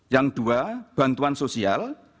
yang dua bantuan sosial